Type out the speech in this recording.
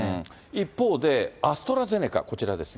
一方でアストラゼネカ、こちらですね。